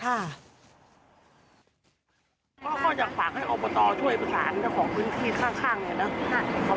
ก็อยากฝากให้อบตช่วยประสานเจ้าของพื้นที่ข้างเนี่ยนะ